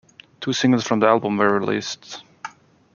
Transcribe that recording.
Two singles from the album were released.